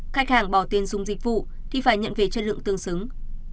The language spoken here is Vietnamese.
khách hàng bỏ tiền dùng dịch vụ thì phải nhận về chất lượng tương xứng